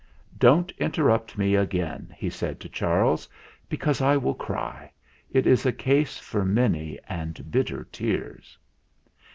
"Don't interrupt me again," he said to Charles, "because I will cry. It is a case for many and bitter tears."